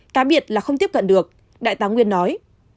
cá biệt là không tiếp cận được đại tá nguyên nói